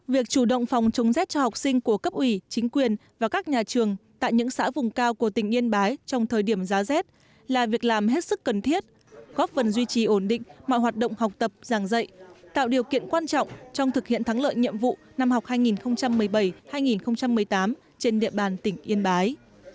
việc chủ động phòng chống rét cho học sinh của cấp ủy chính quyền và các nhà trường tại những xã vùng cao của tỉnh yên bái trong thời điểm giá rét là việc làm hết sức cần thiết góp phần duy trì ổn định mọi hoạt động học tập giảng dạy tạo điều kiện quan trọng trong thực hiện thắng lợi nhiệm vụ năm học hai nghìn một mươi bảy hai nghìn một mươi tám trên địa bàn tỉnh yên bái